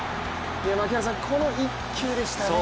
槙原さん、この１球でしたね。